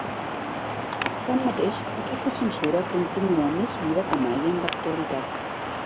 Tanmateix, aquesta censura continua més viva que mai en l'actualitat.